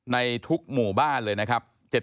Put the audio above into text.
ในทุกหมู่บ้านเลยนะครับ